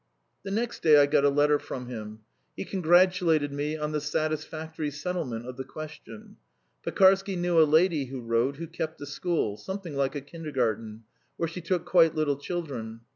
The next day I got a letter from him. He congratulated me on the satisfactory settlement of the question. Pekarsky knew a lady, he wrote, who kept a school, something like a kindergarten, where she took quite little children.